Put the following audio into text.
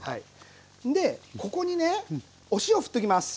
でここにねお塩振っていきます。